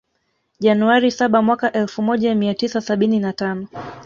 Januari saba Mwaka elfu moja mia tisa sabini na tano